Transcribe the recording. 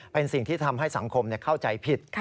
เป็นสิ่งที่ทำให้สังคมเข้าใจผิด